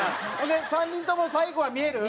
３人とも最後は見える？